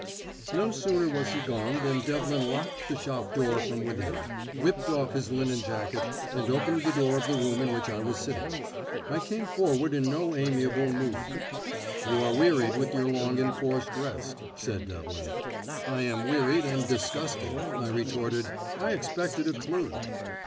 No sooner was he gone than Devlin locked the shop door from within, whipped off his linen jacket, and opened the door of the room in which I was sitting. I came forward in no amiable mood. "You are wearied with your long enforced rest," said Devlin. "I am wearied and disgusted," I retorted. "I expected a clue."